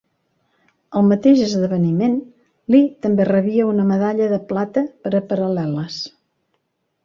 Al mateix esdeveniment, Li també rebia una medalla de plata per a paral·leles.